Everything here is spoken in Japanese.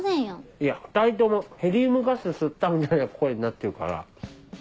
いや２人ともヘリウムガス吸ったみたいな声になってるから。